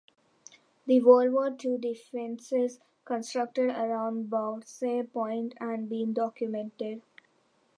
The World War Two defences constructed around Bawdsey Point have been documented.